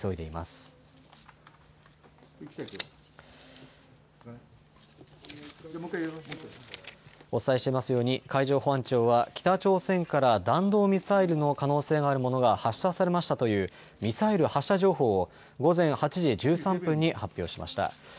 お伝えしていますように海上保安庁は北朝鮮から弾道ミサイルの可能性があるものが発射されましたというミサイル発射情報を午前８時１３分に発表しました。